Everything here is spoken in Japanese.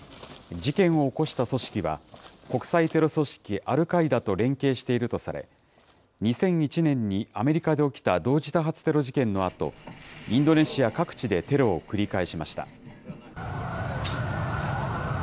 事件を起こした組織は、国際テロ組織アルカイダと連携しているとされ、２００１年にアメリカで起きた同時多発テロ事件のあと、インドネシア各地でテロを繰り返しました。